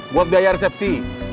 buat biaya resepsi